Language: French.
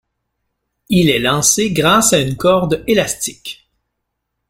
Il est lancé grâce à une corde élastique.